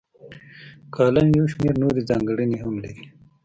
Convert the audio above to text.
کالم یو شمیر نورې ځانګړنې هم لري.